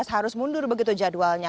harus mundur begitu jadwalnya